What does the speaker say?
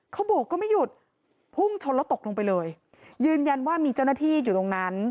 เขาโบกก็ไม่หยุดพุ่งชนแล้วตกลงไปเลยยืนยันว่ามีเจ้าหน้าที่อยู่ตรงนั้น